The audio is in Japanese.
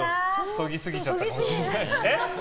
そぎすぎちゃったかもしれない。